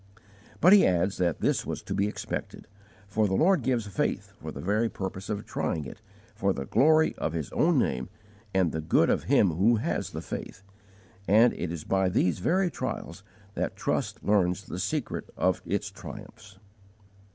But he adds that this was to be expected, for the Lord gives faith for the very purpose of trying it for the glory of His own name and the good of him who has the faith, and it is by these very trials that trust learns the secret of its triumphs.